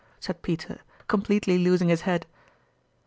" said Peter, completely losing his head.